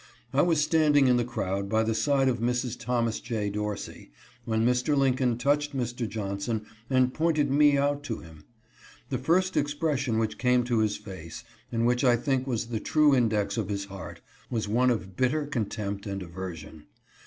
I was standing in the crowd by the side of Mrs. Thomas J. Dorsey, when Mr. Lincoln touched Mr. Johnson and pointed me out to him. The first expression which came to his face, and which I think was the true index of his heart, was one of bitter contempt and aversion.